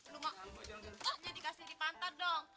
lo mah jadinya dikasih di pantai dong